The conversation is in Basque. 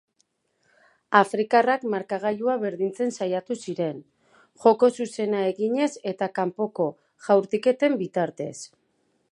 Afrikarrak markagailua berdintzen saiatu ziren, joko zuzena eginez eta kanpoko jaurtiketen bitartez.